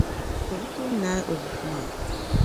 O be tooi naai o buku maa.